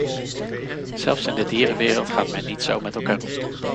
Zelfs in de dierenwereld gaat men niet zo met elkaar om.